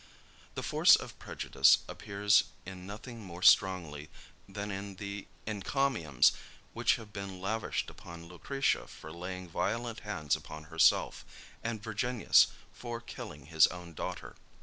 The force of prejudice appears in nothing more strongly than in the encomiums which have been lavished upon Lucretia for laying violent hands upon herself, and Virginius for killing his own daughter.